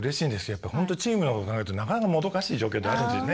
やっぱ本当にチームのことを考えるとなかなかもどかしい状況ってあるんですよね。